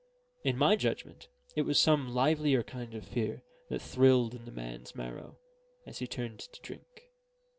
In my judgment, it was some livelier kind of fear that thrilled in the man's marrow as he turned to drink.